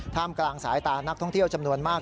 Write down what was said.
กลางสายตานักท่องเที่ยวจำนวนมาก